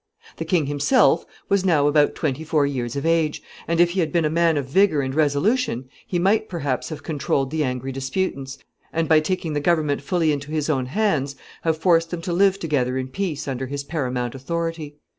The king himself was now about twenty four years of age, and if he had been a man of vigor and resolution, he might perhaps have controlled the angry disputants, and by taking the government fully into his own hands, have forced them to live together in peace under his paramount authority.